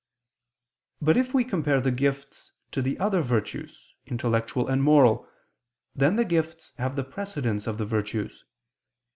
But if we compare the gifts to the other virtues, intellectual and moral, then the gifts have the precedence of the virtues.